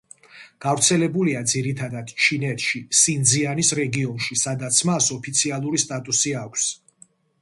გავრცელებულია ძირითადად ჩინეთში სინძიანის რეგიონში, სადაც მას ოფიციალური სტატუსი აქვს.